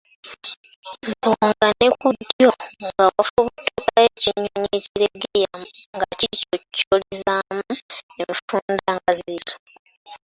Mbu nga ne ku ddyo nga wafubutukayo ekinyonyi ekiregeya nga kicocolizaamu enfunda nga ziizo.